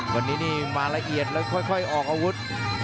วันนี้นี่มาละเอียดแล้วค่อยออกอาวุธ